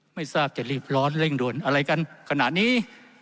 ไม่ทราบจะรีบร้อนเร่งด่วนอะไรกันขนาดนี้